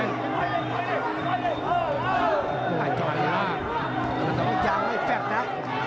ลำต่อไยฟรอตนะ